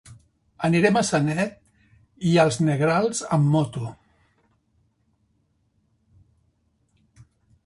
Anirem a Sanet i els Negrals amb moto.